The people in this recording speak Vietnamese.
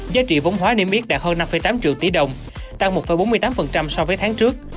giá trị vốn hóa niêm yết đạt hơn năm tám triệu tỷ đồng tăng một bốn mươi tám so với tháng trước